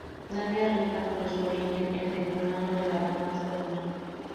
La Via Recta fue en su origen el decumano de la Damasco romana.